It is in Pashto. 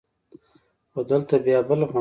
خو دلته بيا بل غم و.